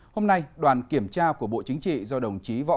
hôm nay đoàn kiểm tra của bộ chính trị do đồng chí võ